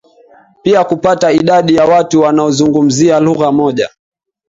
Pia Kupata idadi ya watu wanaozungumza lugha moja